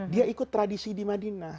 dia ikut tradisi di madinah